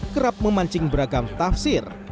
kerap memancing beragam tafsir